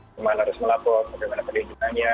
kemana harus melapor bagaimana penelitiannya